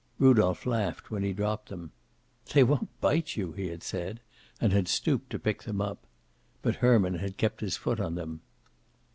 Rudolph laughed when he dropped them. "They won't bite you!" he had said, and had stooped to pick them up. But Herman had kept his foot on them.